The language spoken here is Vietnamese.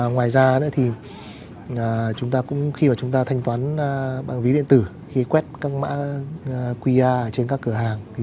ngoài ra khi chúng ta thanh toán bằng ví điện tử khi quét các mã qr trên các cửa hàng